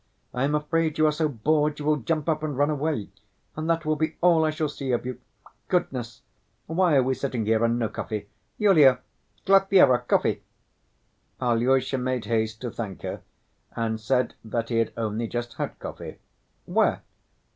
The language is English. I am afraid you are so bored you will jump up and run away, and that will be all I shall see of you. Goodness! Why are we sitting here and no coffee? Yulia, Glafira, coffee!" Alyosha made haste to thank her, and said that he had only just had coffee. "Where?"